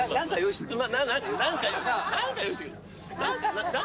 何か用意してくれる。